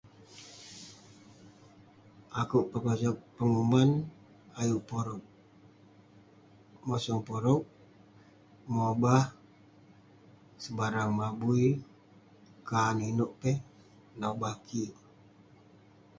Akouk pekosag penguman ayuk porog. Mosong porog, mobah sebarang mabui, kaan inouk keh, nobah kik.